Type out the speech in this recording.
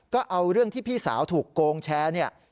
ก็เอาเรื่องที่พี่สาวถูกโกงแชร์เนี่ย